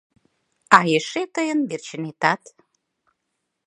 а эше тыйын верчынетат.